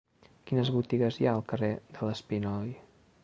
Quines botigues hi ha al carrer de l'Espinoi?